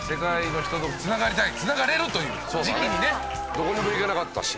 どこにも行けなかったし。